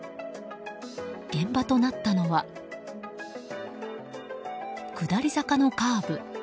現場となったのは下り坂のカーブ。